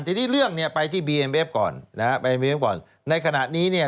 ทีนี้เรื่องเนี่ยไปที่บีเอ็มเอฟก่อนในขณะนี้เนี่ย